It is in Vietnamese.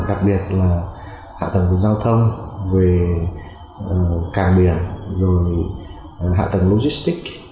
đặc biệt là hạ tầng giao thông càng biển hạ tầng logistic